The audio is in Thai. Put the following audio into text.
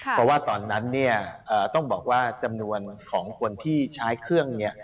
เพราะว่าตอนนั้นเนี่ยต้องบอกว่าจำนวนของคนที่ใช้เครื่องนี้